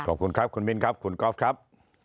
ขอบคุณครับคุณมิ้นครับคุณกอล์ฟครับ